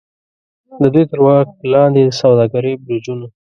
د دوی تر واک لاندې د سوداګرۍ برجونو.